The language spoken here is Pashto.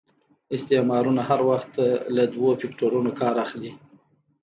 استعمارونه هر وخت له دوه فکټورنو کار اخلي.